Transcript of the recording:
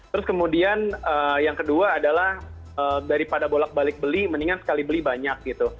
terus kemudian yang kedua adalah daripada bolak balik beli mendingan sekali beli banyak gitu